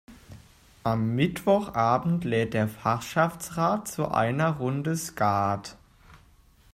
Am Mittwochabend lädt der Fachschaftsrat zu einer Runde Skat.